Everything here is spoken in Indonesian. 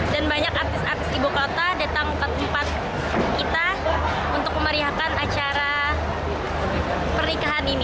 dan banyak artis artis ibu kota datang ke tempat kita untuk memerihakan acara pernikahan ini